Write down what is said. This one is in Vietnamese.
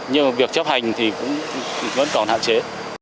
nhưng mà việc chấp hành thì cũng vẫn còn hạn chế